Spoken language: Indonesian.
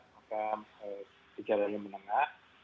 maka gejalanya menengah